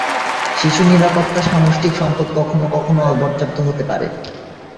শিশু নিরাপত্তার সামষ্টিক সম্পদ কখনো কখনো অপর্যাপ্ত হতে পারে।